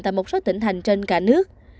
thành trên cả nước